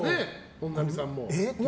本並さんも。